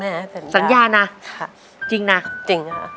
แม่สัญญาณนะช่วยจริงครับ